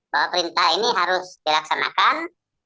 bahwa perintah ini harus dilaksanakan